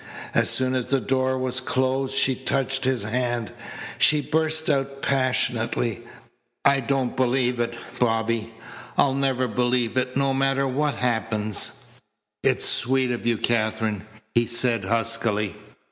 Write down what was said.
As soon as the door was closed she touched his hand. She burst out passionately: "I don't believe it, Bobby. I'll never believe it no matter what happens." "It's sweet of you, Katherine," he said huskily.